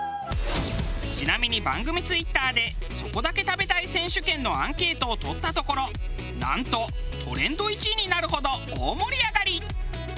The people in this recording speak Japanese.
ちなみに番組ツイッターでそこだけ食べたい選手権のアンケートを取ったところなんとトレンド１位になるほど大盛り上がり！